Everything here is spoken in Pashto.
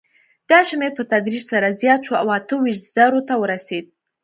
دا شمېر په تدریج سره زیات شو او اته ویشت زرو ته ورسېد.